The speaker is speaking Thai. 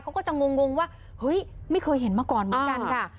เขาก็จะงงว่าเฮ้ยไม่เคยเห็นมาก่อนเหมือนกันค่ะ